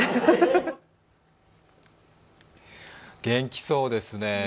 元気そうですね。